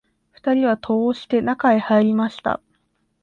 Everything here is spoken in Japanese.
二人は戸を押して、中へ入りました